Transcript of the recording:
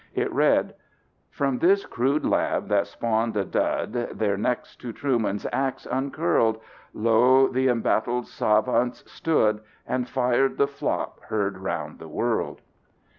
It read: From this crude lab that spawned a dud. Their necks to Truman's ax uncurled Lo, the embattled savants stood, and fired the flop heard round the world.